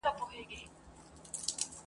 یو ټبر یو ټوله تور ټوله کارګان یو ..